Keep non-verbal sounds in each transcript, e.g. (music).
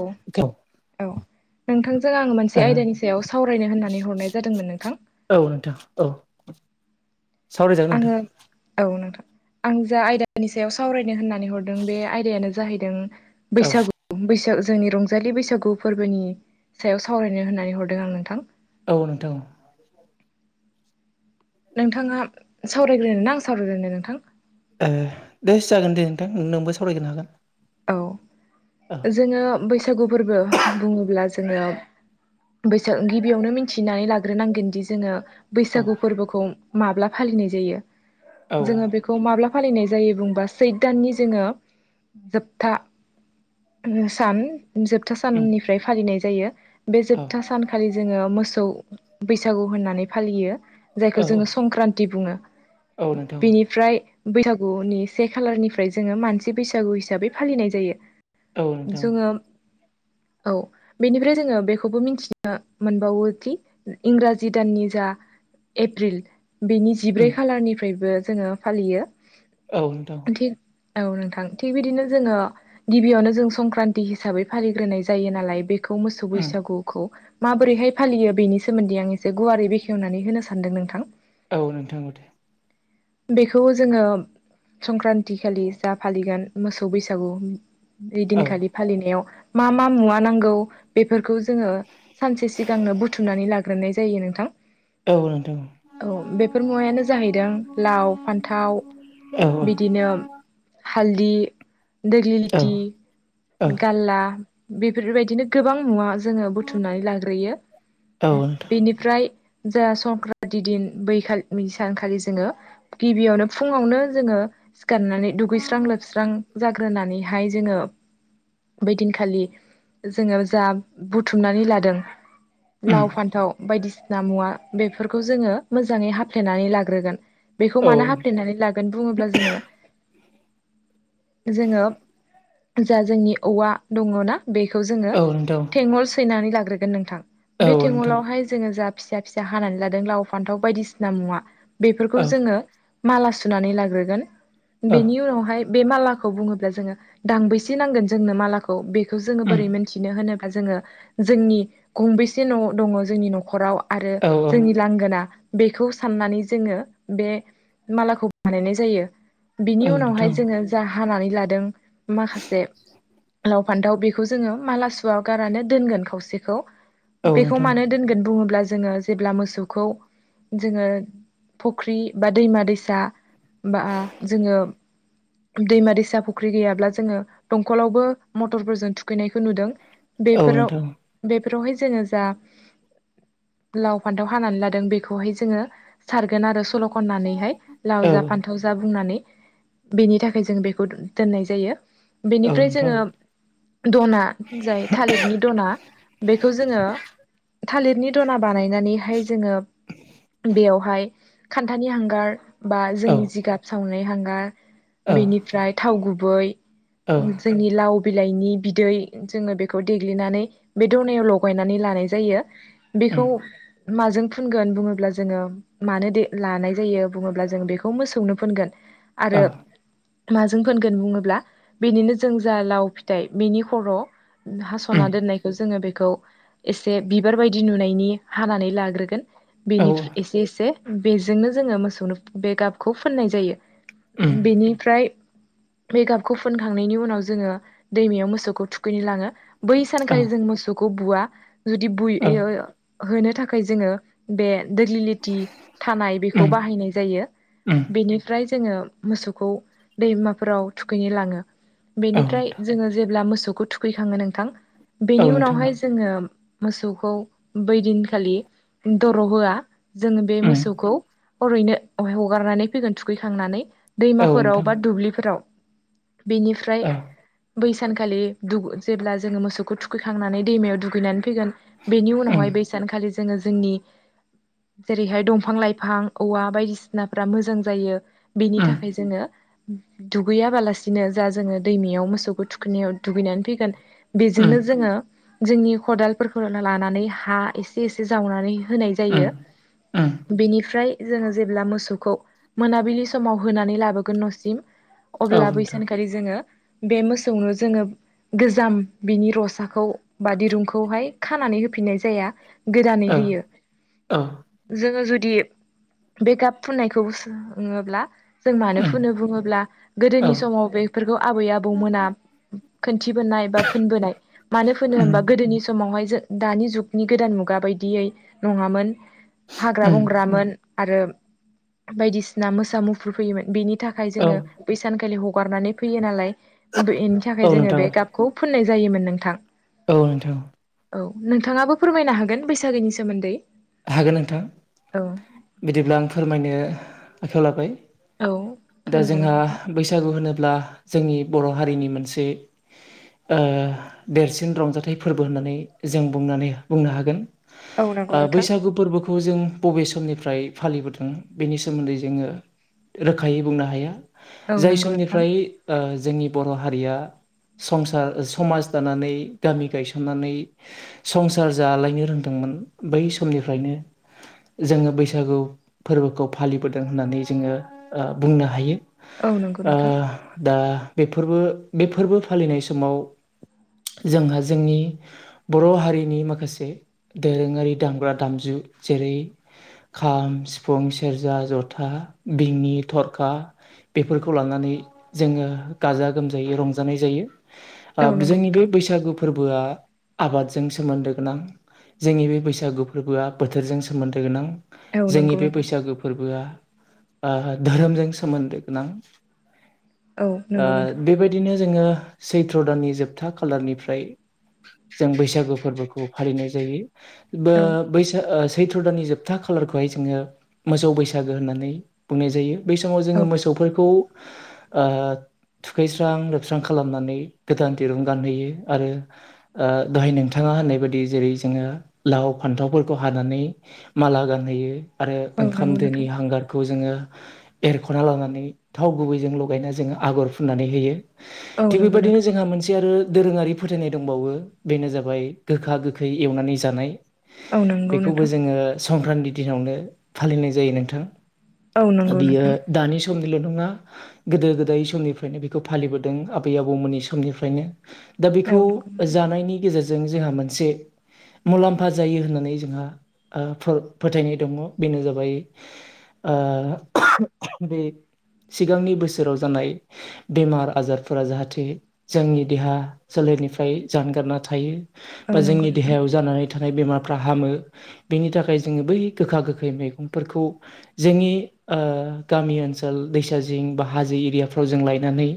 औ औ नोंथांजों आङो ओ मोनसे आयदानि सायाव सावरायनो होननानै हरनाय जादोंमोन नोंथां। औ नोंथां औ सावरायजागोन नोंथां आङो औ नोंथां आं जा आयदानि सायाव सावरायनो होननानै हरदों बे आयदायानो जाहैदों औ बैसागु बैसागु जोंनि रंजालि बैसागु फोरबोनि सायाव सावरायनो होननानै हरदों आं नोंथां। औ नोंथां नोंथाङा सावरायग्रोनो ना आं सावरायग्रोनो नोंथां? एह दे जागोन दे नोंथां नोंबो सावरायग्रोनो हागोन। औ जोङो बैसागु फोरबो बुङोब्ला जोङो बैसो गिबियावनो मिनथिनानै लाग्रोनांगोनदि जोङो औ बैसागु फोरबोखौ माब्ला फालिनाय जायो औ जोङो बेखौ माब्ला फालिनाय जायो बुंबा सैथ दाननि जोङो जोबथा सान जोबथा उम साननिफ्राय फालिनाय जायो बे औ जोबथा सानखालि जोङो मोसौ बैसागु होननानै फालियो जायखौ औ जोङो संक्रान्ति बुङो औ नोंथां बिनिफ्राय बैसागुनि से खालारनिफ्राय जोङो मानसि बैसागु हिसाबै फालिनाय जायो औ नोंथां जोङो औ बेनिफ्राय जोङो बेखौबो मिथिनो मोनबावोखि इंराजि दाननि जोबथा एप्रिल बेनि जिब्रै उम खालारनिफ्रायबो जोङो फालियो औ नोंथां थिग औ नोंथां थिग बिदिनो जोङो गिबियावनो जों संक्रान्ति हिसाबै फालिग्रोनाय जायो नालाय बे खौ मोसौ उम बैसागुखौ माबोरैहाय फालियो बेनि सोमोन्दै आं एसे गुवारै बेखेवनानै होनो सानदों नोंथां औ नोंथां मथे बेखौ जोङो संक्रान्ति खालि जा फालिगोन मोसौ बैसागु औ बैदिनखालि फालिनायाव मा मा मुवा नांगौ बेफोरखौ जोङो सानसे सिगांनो बुथुमनानै लाग्रोनाय जायो नोंथां औ नोंथां औ बेफोर मुवायानो जाहैदों लाव फान्थाव औ बिदिनो हालदि देग्लि औ लिथि औ गारला बेफोरबायदिनो गोबां नुवा जोङो बुथुमनानै लाग्रोयो औ नोंथां बेनिफ्राय जा संक्रान्ति दिन बैखा सानखालि जोङो गिबियावनो फुङावनो जोङो सिखारनानै दुगैस्रां लोबस्रां जाग्रोनानैहाय जोङो बै दिनखालि जोङो जा बुथुमनानै लादों उम लाव फान्थाव बायदिसिना मुवा बेफोरखौ जोङो मोजाङै हाफ्लेनानै लाग्रोगोन बेखौ औ मानो हाफ्लेनानै लागोन बुङोब्ला जोङो जोङो जा जोंनि औवा दङ ना बेखौ जोङो औ नोंथां थेंगल सैनानै लाग्रोगोन नोंथां औ बे नोंथां थंगलावहाय जोङो जा फिसा फिसा हानानै लादों लाव फान्थाव बायदिसिना मुवा बे खौ औ जोङो माला सुनानै लाग्रोगोन औ बेनि उनावहाय बे मालाखौ बुङोब्ला जोङो दांबैसे नांगोन जोंनो मालाखौ बेखौ जोङो उम बोरै मोनथिनो होनोब्ला जोङो जोंनि गंबेसे न' दङ जोंनि न'खराव आरो औ जोंनि लांगोना बेखौ साननानै जोङो बे मालाखौ बानायनाय जायो बिनि औ उनावहाय नोंथां जोङो जा हानानै लादों माखासे लाव फान्थाव बेखौ जोङो माला सुवा गारानो दोनगोन खावसेखौ औ बेखौ नोंथां मानो दोनगोन बुङोब्ला जोङो जेब्ला मोसौखौ जोङो फुख्रि बा दैमा दैसा बा जोङो दैमा दैसा फुख्रि गैयाब्ला जोङो दंखलावबो मटरफोरजों थुखैनायखौ नुदों औ बेफोराव नोंथां बेफोरावहाय जोङो जा लाव फान्थाव हानानै लादों बेखौहाय जोङो सारगोन आरो सल' खननानैहाय लाव औ जा फान्थाव जा बुंनानै बेनि थाखाय जों बेखौ दोननाय जायो औ बेनिफ्राय नोंथां जोङो दना जाय थालिरनि दना बेखौ जोङो थालिरनि दना बानायनानैहाय जोङो बेयावहाय खान्थानि हांगार बा औ जोंनि जिगाब सावनाय हांगार औ बेनिफ्राय थाव गुबै औ जोंनि लाव बिलाइनि बिदै जोङो बेखौ देग्लिनानै बे दनायाव लगायनानै लानाय जायो उम बेखौ माजों फुनगोन बुङोब्ला जोङो मानो देना लानाय जायो बुङोब्ला जों बेखौ मोसौनो फोनगोन औ आरो माजों फोनगोन बुङोब्ला बेनिनो जों जा लाव फिथाइ बिनि खर' उम हास'ना दोननायखौ जोङो बेखौ एसे बिबार बायदि नुनायनि हानानै लाग्रोगोन औ बेनिफ एसे एसे बेजोंनो जोङो मोसौनो बे गाबखौ फोननाय जायो उम बेनिफ्राय बे गाबखौ फुनखांनायनि उनाव जोङो दैमायाव मोसौखौ थुखैनो लाङो बै औ सानखालि जों मोसौखौ बुवा जुदि औ बुयोयो होनो थाखाय जोङो बे दोगलिलिटि थानाय बेखौ उम बाहायनाय जायो उम बेनिफ्राय जोङो‌ मोसौखौ दैमाफोराव थुखैनो लाङो औ बेनिफ्राय जोङो जेब्ला मोसौ मोसौखौ थुखैखाङो नोंथां नोंथां बेनि औ नोंथां उनावहाय जोङो मोसौखौ बैदिनखालि दर' होआ जोंङो बे उम मोसौ ओरैनो हगारनानै फैगोन थुखैखांनानै औ दैमाफोराव नोंथां बा दुब्लिफोराव बेनिफ्राय औ बैसानखालि दु जेब्ला जोङो मोसौखौ थुखैखांनानै दैमायाव दुगैनानै फैगोन बेनि उम उनावहाय बै सानखालि जोङो जोंनि‌ जेरैहाय दंफां लाइ फां औवा बायदिसिनाफ्रा मोजां जायो बेनि उम थाखाय जोङो दुगैयाबालासिनो जा जोङो दैमायाव मोसौखौ थुखैनायाव दुगैनानै फैगोन उम बेजोंनो जोङो जोंनि खदालफोरखौ लानानै हा एसे एसे जावनानै होनाय उम जायो उम बेनिफ्राय जोङो जेब्ला मोसौखौ मोना बिलि समाव होनानै लाबोगोन न'सिम औ अब्ला बै नोंथां सानखालि जोङो बे मोसौनो जोङो गोजाम बिनि रसाखौ बा दिरुंखौहाय खानानै होफिननाय जाया गोदानै औ होयो उम जोङो जुदि बे गाब फुननायखौ सोङोब्ला जों मानो फुनो बुङोब्ला औ गोदोनि समाव बेफोरखौ आबै आबौमोना दिथिबोनाय बा फोनबोनाय मानो फोनो उम होनबा गोदोनि समावहाय जों दानि जुगनि गोदान मुगा बायदियै नङामोन हाग्रा औ बंग्रामोन आरो बायदिसिना मोसा मुफुर फैयोमोन बेनि थाखाय जोङो बै सानखालि ह हगारनानै फैयो नालाय बेनि थाखाय औ जोङो नोंथां बे गाबखौ फोननाय जायोमोन नोंथां । औ नोंथां। औ नोंथाङाबो फोरमायनो हागोन बैसागोनि सोमोन्दै हागोन नोंथां औ बिदिब्ला आं फोरमायनो आखायाव लाबाय। औ दा फोरमायजागोन जोंहा नोंथां बैसागु होनोब्ला जोंनि बर' हारिनि मोनसे ओ देरसिन रंजाथाइ फोरबो होननानै जों बुंनानै बुंनो हागोन । औ नंगौ नों बैसागु फोरबोखौ जों बबे समनिफ्राय फालिबोदों बेनि सोमोन्दै जोङो रोखायै बुंनो हाया औ जाय नंगौ नोंथां समनिफ्राय ओ जोंनि बर' हारिया संसार समाज दानानै गामि गायसननानै संसार जालायनो रोंदों मोन बै समनिफ्रायनो जोङो बैसागु फोरबोखौ फालिबोदों होननानै जोङो ओ बुंनो हायो औ नंगौ । नोंथां ओ दा बेफोरबो बे फोरबो फालिनाय समाव जोंहा जोंनि बर' हारिनि माखासे दोरोङारि दामग्रा दामजु जेरै खाम सिफुं सेरजा जथा बिंनि थरखा खा बेफोरखौ लानानै जोङो गाजा गोमजायै रंजानाय जायो। ओ औ नंगौ जोंनि बे नोंथां बैसागु फोरबोआ आबादजों सोमोन्दो गोनां जोंनि बे बैसागु फोरबोआ बोथोरजों सोमोन्दो गोनां औ जोंनि नंगौ बे नोंथां बैसागो फोरबोआ ओ धोरोमजों सोमोन्दो गोनां। औ ओ नंगौ नोंथां बेबायदिनो जोङो सैथ्र' दाननि जोबथा खालारनिफ्राय जों बैसागु फोरबोखौ फालिनाय जायो बा औ बैसाग ओ सैथ्र' दाननि जोबथा खालारखौहाय जोङो मोसौ बैसागो होननानै बुंनाय जायो। बै समाव औ जोङो मोसौफोरखौ ओ थुखैस्रां लोबस्रां खालामनानै गोदान दिरुं गानहैयो आरो ओ दहाय नोंथाङा ङा होननाय बादि जेरै जोङो लाव फान्थाव फोर खौ हानानै माला गानहैयो आरो औ ओंखाम नंगौ दोनि नोंथां हांगारखौ जोङो एरख'ना लानानै थाव गुबैजों लगायना जोङो आगर फुननानै होयो औ थिग नंगौ बेबायदिनो नोंथां जोंहा मोनसे आरो दोरोङारि फोथायनाय दंबावो बेनो जाबाय गोखा गोखै एवनानै जानाय औ नंगौ नोंथां बेखौबो जोङो संक्रान्ति दिनावनो फालिनाय जायो नोंथां औ ओ नंगौ बियो नोंथां दानि समनिल' नङा गोदो गोदाय समनिफ्रायनो बेखौ फालिबोदों आबै आबौमोननि समनिफ्रायनो दा औ बेखौ जानायनि गेजेरजों जोंहा मोनसे मुलाम्फा जायो होननानै जोंहा ओ फोथायनाय दङ बेनो जाबाय ओ बे सिगांनि बोसोराव जानाय बेमार आजारफोरा जाहाथे जोंनि देहा सोले रनिफ्राय जानगारना थायो बा नंगौ जोंनि नोंथां देहायाव जानानै थानाय बेमारफ्रा हामो बेनि थाखाय जोङो बै ओनसोल दैसा जिं बा हाजो एरियाफ्राव जों लगायनानै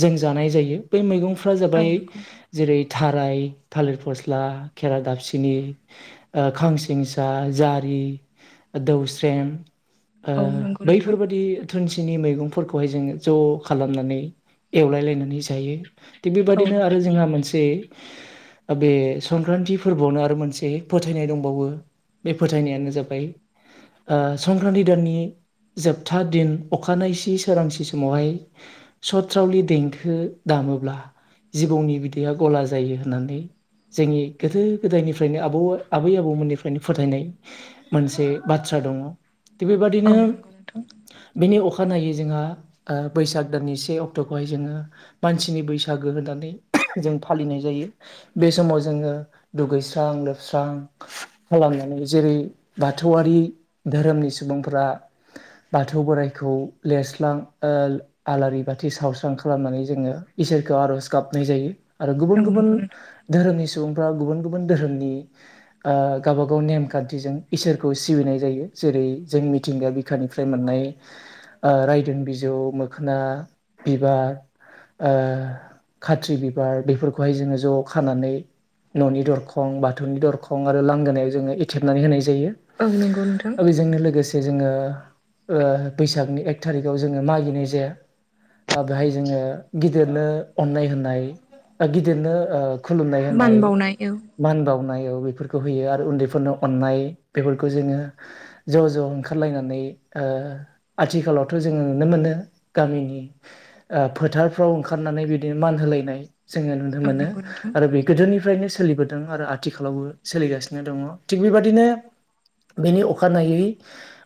जों जानाय जायो बै मैगं औ फ्रा‌जाबाय नंगौ नोंथां जेरै थाराय थालिर फस्ला खेरा दाफिनि ओ खांसिंसा जारि दौस्रेम ओ औ नंगौ नोंथां बैफोरबायदि थुुनसिनि मैगंफोरखौहाय जोङो ज' खालामनानै एवलायलायनानै जायो थिग औ नंगौ बेबादिनो आरो नोंथां जोंहा मोनसे बे संक्रान्ति फोरबोआवनो आरो मोनसे फोथायनाय दंबावो बे फोथायनायानो जाबाय ओ संक्रान्ति दाननि जोबथा दिन अखानायसि सोरांसि समावहाय सथ्रावलि देंखो दाम मोब्ला जिबौनि बिदैया गला जायो होननानै जोंनि गोदो गोदायनिफ्रायनो आबौ आबै आबौमोननिफ्रायनो फोथायनाय मोनसे बाथ्रा दङ बेबादिनो औ नंगौ औ नंगौ नोंथां बिनि अखा नायै जोंहा बैसाग दाननि से अक्ट'खौहाय जोङो मानसिनि बैसागो होनानै जों फालिनाय जायो बे समाव जोङो दुगैस्रां लोबस्रां खालामनानै जेरै बाथौआरि धोरोमनि सुबुंफोरा बाथौ बोराइ खौ लेस्लां ओ आलारि बाथि सावस्रां खालामनानै जोङो इसोरखौ आर'ज गाब गाबनाय जायो आरो औ गुबुन गुबुन नंगौ नोंथां धोरोमनि सुबुंफ्रा गुबुन गुबुन धोरोमनि ओ गावबा गाव नेमखान्थिजों इसोरखौ सिबिनाय जायो जेरै जों मिथिंगाया बिखानिफ्राय मोननाय ओ रायदों बिजौ मोखोना बिबार ओ खाथ्रि बिबार बेफोरखौहाय जोङो ज' खानानै न'नि दरखं बाथ थौनि दरखं आरो लांगोनायाव जोङो एथेबनानै होनाय जायो औ नंगौ नोंथां आरो बेजोंनो लोगोसे जे जोङो ओ बैसागनि एक थारिखआव जोङो मागिनाय जाया ओ बेहाय जोङो गिदिरनो अननाय होननाय ओ गिदिरनो ओ खुलुमनाय मान होननाय बावनाय औ मान बाव बेफोरखौ होयो आरो उन्दैफोरनो अननाय बेफोरखौ जोङो ज' ज' ओंखारलायनानै ओ आथिखालावथ' जोङो नुनो मोनो गामिनि फोथारफ्राव ओंखारनो नानै बिनो मान होलायनाय जोङो नुनो औ मोनो नंगौ नोंथां आरो बे गोदोनिफ्रायनो सोलिबोदों आरो आथिखालावबो सोलिगासिनो दङ थिग बेबादिनो बेनि अखानायै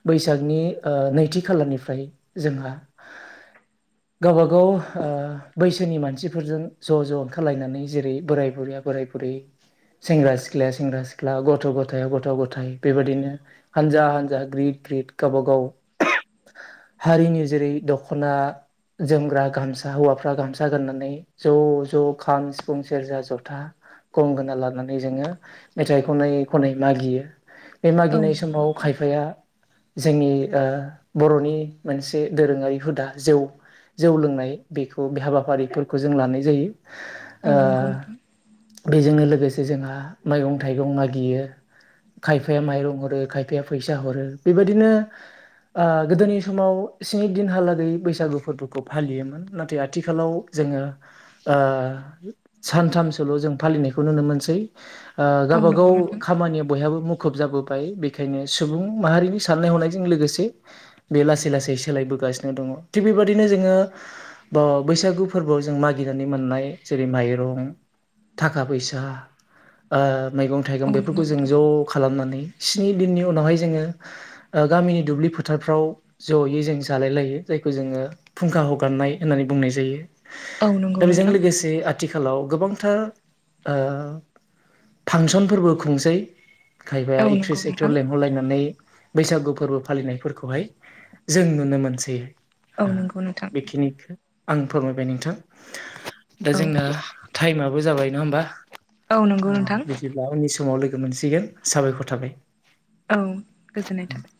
बैसागनि ओ नैथि खालारनिफ्राय जोंहा (inaudible) गावबा गाव ओ बैसोनि मानसिफोरजों ज' ज' ओंखारलायनानै जेरै बोराय बुरै बोराय बुरै सेंग्रा सिख्लाया सेंग्रा सिख्ला गथ' गथाया गथ' गथाय बेबायदिनो हानजा हानजा ग्रिद ग्रिद गावबा गाव हारिनि जेरै दख'ना जोमग्रा गामसा हौवाफ्रा गामसा गाननानै ज' ज' खाम, सिफुं, सेरजा, जथा, गंगोना लाना जोङो मेथाइ खनै खनै मागियो बे औ मागिनाय नंगौ समाव नोंथां खायफाया जोंनि ओ बर'नि मोनसे दोरोङारि हुदा जौ जौ लोंनाय बेखौ बे हाबाफारिफोरखौ जों लानाय जायो। औ ओ नंगौ नोंथां। बेजोंनो लोगोसे जोंहा मैगं-थाइगं मागियो खायफाया माइरं हरो खायफाया फैसा हरो बेबायदिनो ओ गोदोनि समाव स्नि दिनहालागै बैसागु फोरबोखौ फालियोमोन नाथाय आथिखालाव जोंङो ओ सानथामसोल' जों फालिनायखौ नुनो मोनसै ओ औ गावबा नंगौ गाव नोंथां खामानिया बयहाबो मु मुखुब जाबोबाय बेखायनो सुबुं माहारिनि साननाय हनायजों लोगोसे बे लासै लासै सोलायबो गासिनो दं थिग बेबायदिनो जोङो अ बैसागु फोरबोआव जों मागिनानै मोननाय जेरै मा इरं थाखा-फैसा ओ मैगं-थाइगं औ नंगौ बेफोरखौ जों नोंथां ज' खालामनानै स्नि दिननि उनावहाय जोङो ओ गामिनि दुब्लि फोथारफ्राव जयै जों जालाय लायो जायखौ जोङो फुंखा हगारनाय होननानै बुंनाय जायो। औ नंगौ दा नोंथां औ नंगौ बेजों नोंथां लोगोसे आथि खालाव गोबांथार ओ फांसनफोरबो खुंसै खायफाया औ नंगौ एकथ्रिस एक्टर नोंथां लेंहरलायनानै बैसागु फोरबो फालिनायफोरखौहाय जों नुनो मोनसै बेखिनिखौ आं फोरमायबाय नोंथां। दा औ जोंना टाइमाबो जाबाय नङा होमबा औ नंगौ नोंथां बिदिब्ला उननि समाव लोगो मोनसिगोन साबायखर थाबाय। औ गोजोननाय थाबाय।